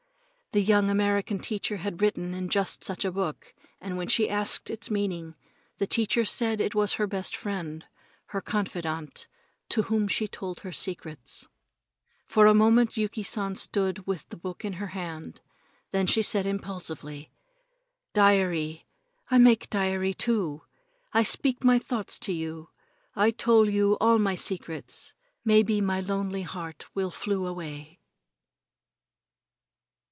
The young American teacher had written in just such a book, and when she asked its meaning, the teacher had said it was her best friend, her confidant, to whom she told her secrets. For a moment Yuki San stood with the book in her hand, then she said impulsively: "Diary! I make diary, too. I speak my thoughts to you. I tole you all my secrets. Maybe my lonely heart will flew away."